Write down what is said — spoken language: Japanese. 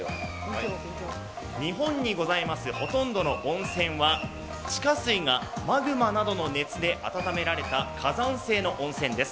日本にございますほとんどの温泉は地下水がマグマなどの熱で温められた火山性の温泉です。